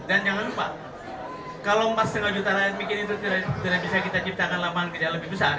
dan jangan lupa kalau mas setengah juta lain bikin itu tidak bisa kita ciptakan lapangan kerja lebih besar